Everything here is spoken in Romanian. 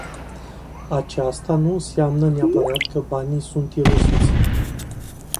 Aceasta nu înseamnă neapărat că banii sunt irosiți.